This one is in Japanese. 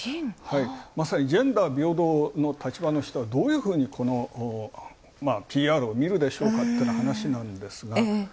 まさにジェンダー平等の立場の人は、どういうふうにこのＰＲを見るでしょうかって話なんですが。